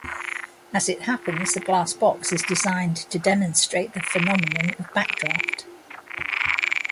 As it happens, the glass box is designed to demonstrate the phenomenon of backdraft.